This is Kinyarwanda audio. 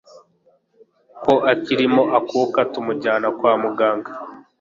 ko akirimo akuka tumujyane kwa muganga